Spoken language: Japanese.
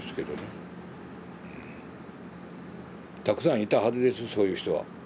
たくさんいたはずですそういう人は。